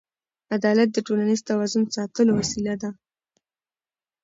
عدالت د ټولنیز توازن ساتلو وسیله ده.